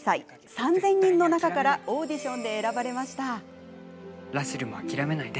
３０００人の中からオーディションで選ばれました。